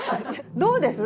どうです？